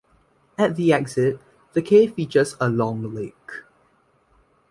At the exit, the cave features a -long lake.